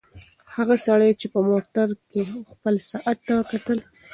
هغه سړی چې په موټر کې و خپل ساعت ته وکتل.